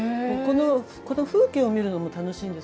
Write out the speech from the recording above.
この風景を見るのも楽しいんですよ。